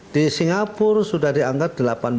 di singapura sudah diangkat delapan belas